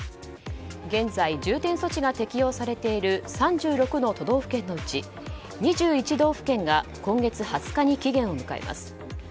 現在重点措置が適用されている３６の都道府県のうち２１道府県が今月２０日に期限を迎えます。